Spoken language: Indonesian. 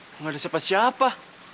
gak ada siapa siapa